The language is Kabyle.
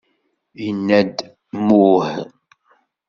Inna-d: Mmuh!